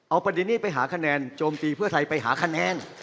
เอาประเด็นนี้ไปหาคะแนนโจมตีเพื่อไทยไปหาคะแนน